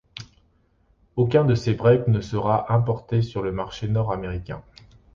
Aucun de ces breaks ne sera importé sur le marché Nord-Américain.